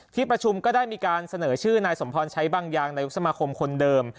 ที่ประชุมก็ได้มีการเสนอชื่อนายสมพรใช้บางอย่างนายกสมาคมคนเดิม